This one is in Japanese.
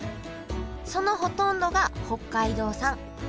そのほとんどが北海道産。